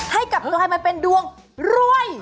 ให้กลับกลายมาเป็นดวงรวย